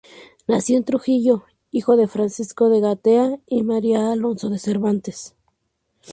Nació en Trujillo, hijo de Francisco de Gaeta y María Alonso de Cervantes.